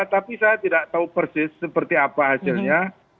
tapi saya tidak tahu persis seperti apa hasilnya